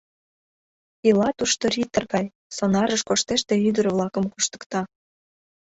Ила тушто риттер гай, сонарыш коштеш да ӱдыр-влакым куштыкта.